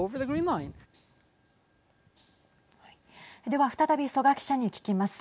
では、再び曽我記者に聞きます。